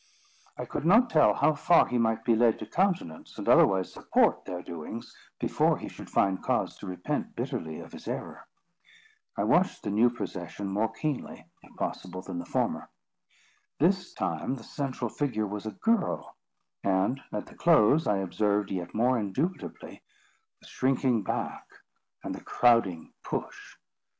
I could not tell how far he might be led to countenance, and otherwise support their doings, before he should find cause to repent bitterly of his error. I watched the new procession yet more keenly, if possible, than the former. This time, the central figure was a girl; and, at the close, I observed, yet more indubitably, the shrinking back, and the crowding push.